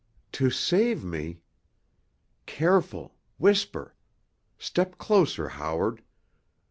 "To save me——" "Careful—whisper! Step closer, Howard.